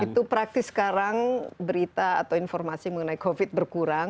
itu praktis sekarang berita atau informasi mengenai covid berkurang